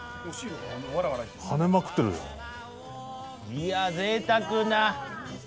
いやぜいたくな！